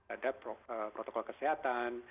ada protokol kesehatan